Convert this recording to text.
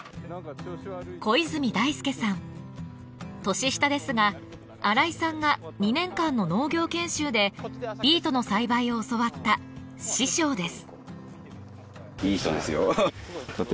年下ですが荒井さんが２年間の農業研修でビートの栽培を教わった師匠です。